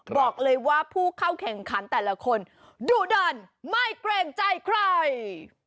บอกเลยว่าผู้เข้าแข่งขันแต่ละคนดุดันไม่เกรงใจใคร